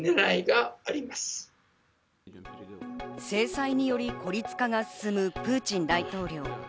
制裁により孤立化が進むプーチン大統領。